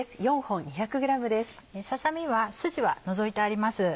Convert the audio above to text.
ささ身は筋は除いてあります。